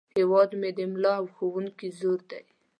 هیواد مې د ملا او ښوونکي زور دی